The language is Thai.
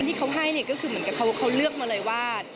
ที่เขาให้เนี่ยก็คือเหมือนกับเขาเลือกมาเลยว่า